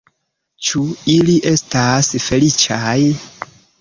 Ĉu ili estas feliĉaj?